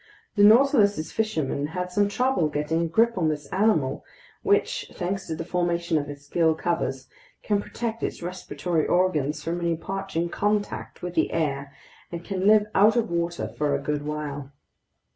The Nautilus's fishermen had some trouble getting a grip on this animal, which, thanks to the formation of its gill covers, can protect its respiratory organs from any parching contact with the air and can live out of water for a good while.